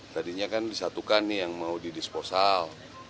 tadinya kan disatukan nih yang mau didisposal